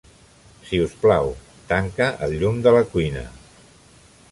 Si us plau, tanca el llum de la cuina.